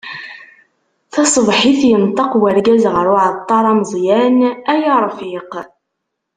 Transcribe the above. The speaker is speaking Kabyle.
Tasebḥit, yenṭeq urgaz γer uεeṭṭar ameẓyan: Ay arfiq.